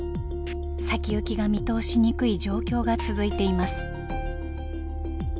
先行きが見通しにくい状況が続いています。